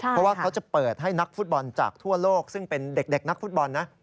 เพราะว่าเขาจะเปิดให้นักฟุตบอลจากทั่วโลกซึ่งเป็นเด็กนักฟุตบอลนะ